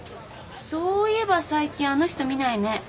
そういえば最近あの人見ないね。